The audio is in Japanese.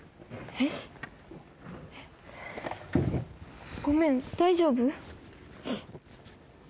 えっごめん大丈夫？